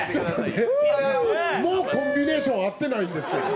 もうコンビネーション合ってないんですけど。